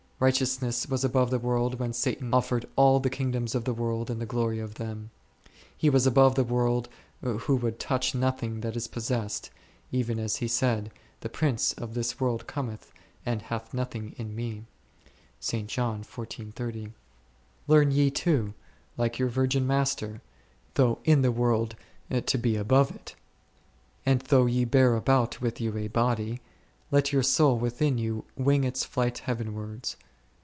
Righte ousness was above the world when Satan offered all the kingdoms of the world and the glory of them. He was above the world, who would touch nothing that it possessed, even as He said, The prince of this world cometh and hath nothing in Me%. Learn ye too, like your virgin Master, though in the world to be above it ; and though ye bear about with you a body, let your so ill within you wing its flight heavenwards.